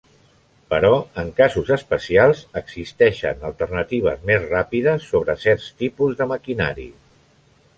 Però en casos especials, existeixen alternatives més ràpides sobre certs tipus de maquinari.